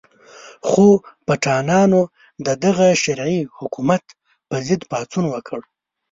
خو پټانانو د دغه شرعي حکومت په ضد پاڅون وکړ.